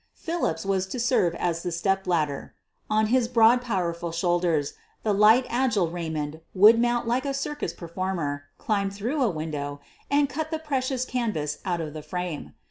Philips was to serve as the '* stepladder. \' On his broad, powerful shoulders, the light, agile Raymond would mount like a circus performer, climb through a window and cut the precious canvas out of the frame.